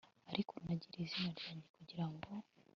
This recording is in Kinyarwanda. ariko nagiriye izina ryanjye kugira ngo